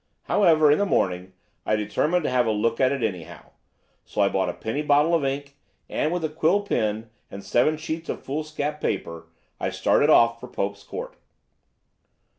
However, in the morning I determined to have a look at it anyhow, so I bought a penny bottle of ink, and with a quill pen, and seven sheets of foolscap paper, I started off for Pope's Court.